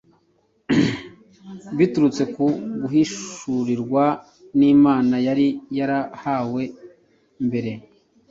Biturutse ku guhishurirwa n’Imana yari yarahawe mbere,